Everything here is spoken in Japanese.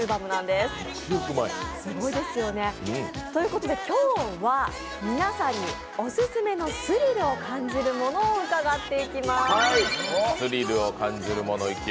すごいですよね。ということで今日は皆さんにオススメのスリルを感じるものを伺っていきます。